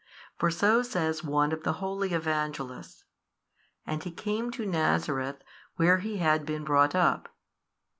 For so says one of the holy Evangelists, And He came to Nazareth where He had been brought up.